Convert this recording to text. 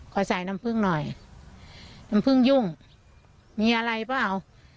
ขอใส่น้ำผึ้งหน่อยน้ำผึ้งยุ่งมีอะไรเปล่า